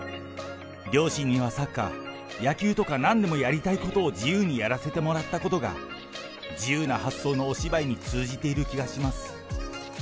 両親にはサッカー、野球とか、なんでもやりたいことを自由にやらせてもらったことが、自由な発想のお芝居に通じている気がします。